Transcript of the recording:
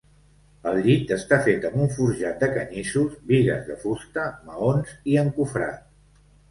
El llit està fet amb un forjat de canyissos, bigues de fusta, maons i encofrat.